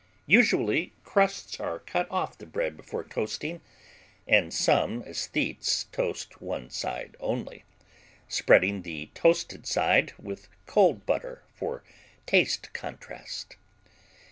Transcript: Usually crusts are cut off the bread before toasting, and some aesthetes toast one side only, spreading the toasted side with cold butter for taste contrast.